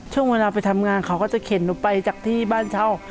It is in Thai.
ช่วงเวลาไปทำงานเขาก็จะเข็นหนูไปจากที่บ้านเช่า